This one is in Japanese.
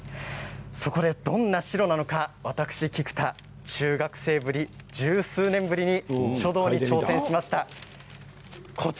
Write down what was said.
そこで、どんな白なのか私、菊田中学生ぶり１０数年ぶりに書道に挑戦しました。